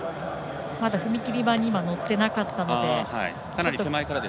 まだ踏切板に乗ってなかったので。